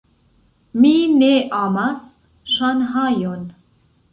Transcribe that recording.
Mi ne amas Ŝanhajon.